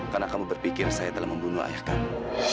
karena kamu berpikir saya telah membunuh ayah kamu